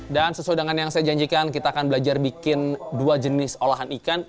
dan sesudah yang saya janjikan kita akan belajar bikin dua jenis olahan ikan